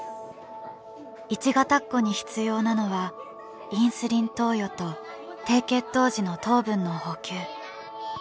「いちがたっこ」に必要なのはインスリン投与と低血糖時の糖分の補給。